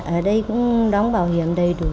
ở đây cũng đóng bảo hiểm đầy đủ